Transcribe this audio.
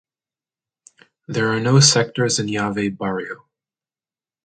There are no sectors in Llave barrio.